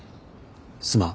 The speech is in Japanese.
すまん。